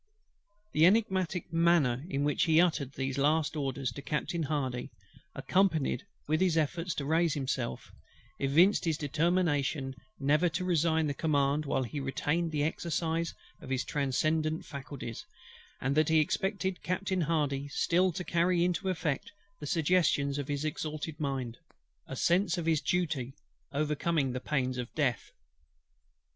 " The energetic manner in which he uttered these his last orders to Captain HARDY, accompanied with his efforts to raise himself, evinced his determination never to resign the command while he retained the exercise of his transcendant faculties, and that he expected Captain HARDY still to carry into effect the suggestions of his exalted mind; a sense of his duty overcoming the pains of death.